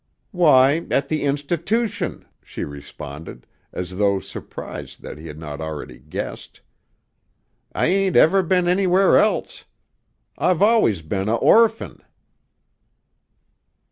"Why, at the institootion," she responded, as though surprised that he had not already guessed. "I ain't ever been anywhere else; I've always been a orphin."